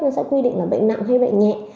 nó sẽ quy định là bệnh nặng hay bệnh nhẹ